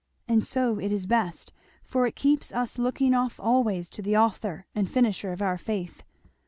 And so it is best, for it keeps us looking off always to the Author and Finisher of our faith."